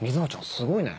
すごいね。